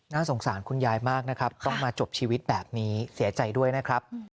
สงสารคุณยายมากนะครับต้องมาจบชีวิตแบบนี้เสียใจด้วยนะครับ